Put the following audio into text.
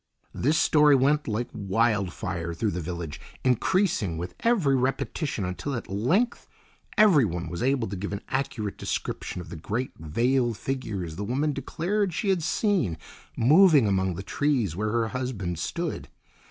This story went like wild fire through the village, increasing with every repetition, until at length everyone was able to give an accurate description of the great veiled figures the woman declared she had seen moving among the trees where her husband stood.